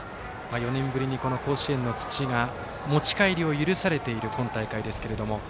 ４年ぶりに甲子園の土が持ち帰りを許されている今大会ですけれども。